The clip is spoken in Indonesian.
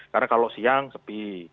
karena kalau siang sepi